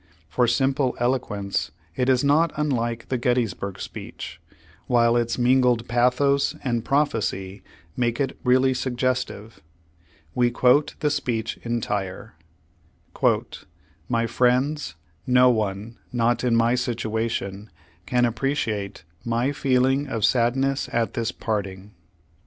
For simple eloquence it is not unlike the Gettysburg speech, while its mingled pathos and prophecy make it really suggestive. We quote the speech entire : "My friends, no one, not in my situation, can appreci ate my feeling: of sadness at this parting.